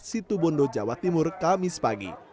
situ bondo jawa timur kamis pagi